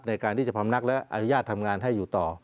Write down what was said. ในการที่จะพำนักและอนุญาตทำงานให้อยู่ต่อ